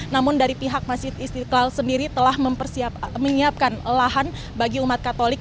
namun dari pihak masjid istiqlal sendiri telah menyiapkan lahan bagi umat katolik